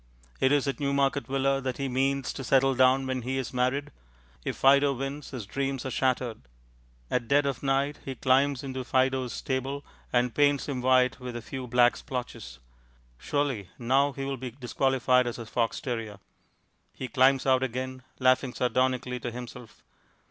It is at Newmarket Villa that he means to settle down when he is married. If Fido wins, his dreams are shattered. At dead of night he climbs into Fido's stable, and paints him white with a few black splotches. Surely now he will be disqualified as a fox terrier! He climbs out again, laughing sardonically to himself....